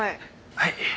はい。